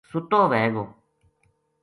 سُتو وھے گو